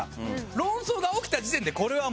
論争が起きた時点でこれはもう漫才。